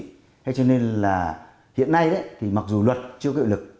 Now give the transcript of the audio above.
thế cho nên là hiện nay thì mặc dù luật chưa có hiệu lực